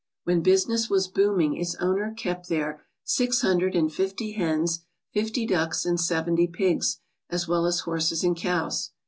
When business was booming its owner kept there six hundred and fifty hens, fifty ducks, and seventy pigs, as well as horses and cows.